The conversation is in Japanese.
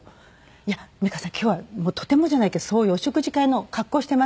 「いや美川さん今日はとてもじゃないけどそういうお食事会の格好をしていません」。